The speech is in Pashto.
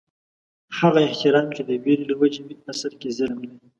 هغه احترام چې د وېرې له وجې وي، اصل کې ظلم دي